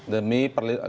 demi kebenaran alasan apa